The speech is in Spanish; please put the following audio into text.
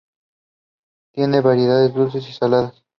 Tiene variedades dulces y saladas.